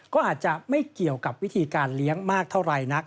ก็อาจจะไม่เกี่ยวกับวิธีการเลี้ยงมากเท่าไหร่นัก